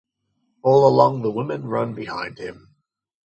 All along the women run behind him.